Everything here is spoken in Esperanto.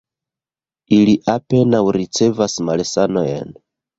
Ili apenaŭ ricevas malsanojn.